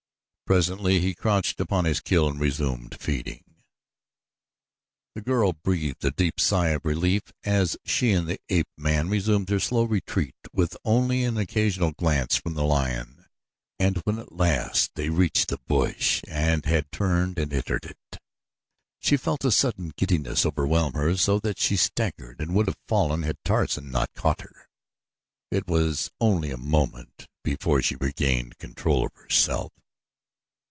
Presently he crouched upon his kill and resumed feeding. The girl breathed a deep sigh of relief as she and the ape man resumed their slow retreat with only an occasional glance from the lion, and when at last they reached the bush and had turned and entered it, she felt a sudden giddiness overwhelm her so that she staggered and would have fallen had Tarzan not caught her. It was only a moment before she regained control of herself.